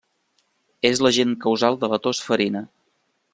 És l'agent causal de la tos ferina.